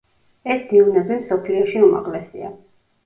ეს დიუნები მსოფლიოში უმაღლესია.